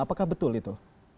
apakah betul itu